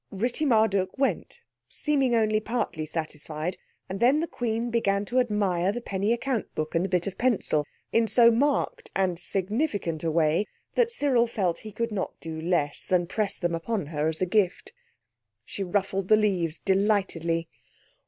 Ritti Marduk went, seeming only partly satisfied; and then the Queen began to admire the penny account book and the bit of pencil in so marked and significant a way that Cyril felt he could not do less than press them upon her as a gift. She ruffled the leaves delightedly.